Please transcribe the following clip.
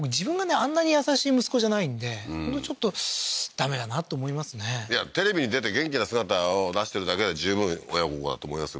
あんなに優しい息子じゃないんでちょっとダメだなと思いますねいやテレビに出て元気な姿を出してるだけで十分親孝行だと思いますよ